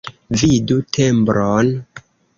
Vidu tembron.